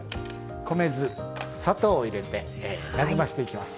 米酢砂糖を入れてなじませていきます。